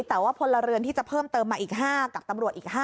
แต่ว่าพลเรือนที่จะเพิ่มเติมมาอีก๕กับตำรวจอีก๕